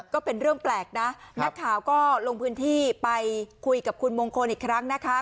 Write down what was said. ก็เป็นเรื่องแปลกนะนักข่าวก็ลงพื้นที่ไปคุยกับคุณมงคลอีกครั้งนะคะ